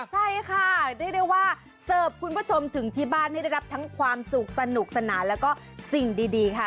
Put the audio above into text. ใช่ค่ะเรียกได้ว่าเสิร์ฟคุณผู้ชมถึงที่บ้านให้ได้รับทั้งความสุขสนุกสนานแล้วก็สิ่งดีค่ะ